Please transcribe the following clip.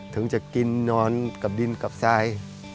ถึงจะกินนอนกับดินกับทราย